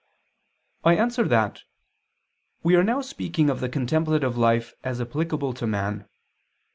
I answer that, We are now speaking of the contemplative life as applicable to man.